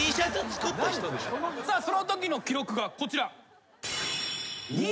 そのときの記録がこちら。